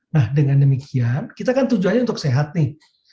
nah dengan demikian kita kan tujuannya untuk sehat nih